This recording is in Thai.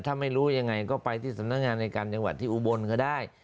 ถ้าไม่รู้ยังไงก็ไปที่สำนักงานในการจังหวัดที่อุบลก็ได้